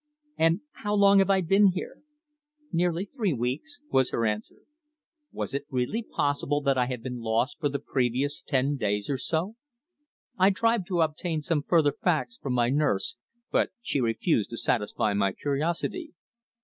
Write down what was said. "And how long have I been here?" "Nearly three weeks," was her answer. Was it really possible that I had been lost for the previous ten days or so? I tried to obtain some further facts from my nurse, but she refused to satisfy my curiosity.